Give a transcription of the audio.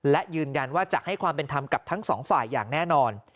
และยืนยันว่าจะให้ความเป็นธรรมกับทั้งสองฝ่ายอย่างแน่นอน